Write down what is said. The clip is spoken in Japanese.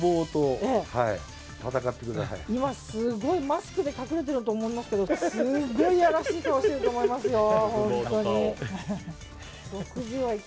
マスクで隠れてると思いますけどすごい、やらしい顔してると思いますよ。